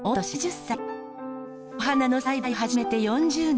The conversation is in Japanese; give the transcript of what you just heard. お花の栽培を始めて４０年。